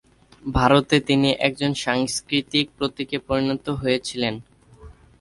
ভারতে তিনি একজন সাংস্কৃতিক প্রতীকে পরিণত হয়েছিলেন।